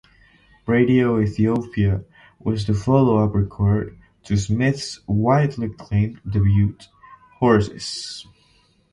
"Radio Ethiopia" was the follow-up record to Smith's widely acclaimed debut "Horses".